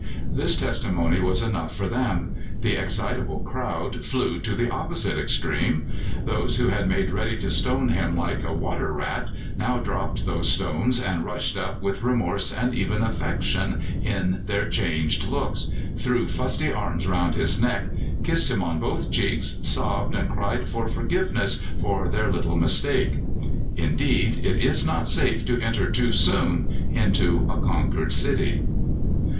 This testimony was enough for them. The excitable crowd flew to the opposite extreme. Those who had made ready to stone him like a water rat now dropped those stones, and rushing up with remorse and even affection in their changed looks, threw fusty arms round his neck, kissed him on both cheeks, sobbed and cried for forgiveness for their little mistake. Indeed it is not safe to enter too soon into a conquered city.